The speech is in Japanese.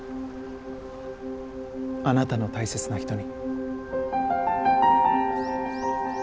あなたの大切な人に。